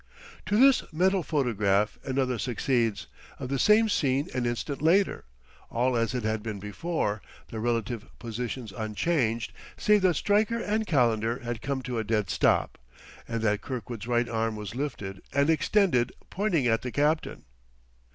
To this mental photograph another succeeds, of the same scene an instant later; all as it had been before, their relative positions unchanged, save that Stryker and Calendar had come to a dead stop, and that Kirkwood's right arm was lifted and extended, pointing at the captain.